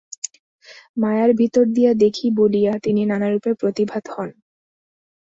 মায়ার ভিতর দিয়া দেখি বলিয়া তিনি নানারূপে প্রতিভাত হন।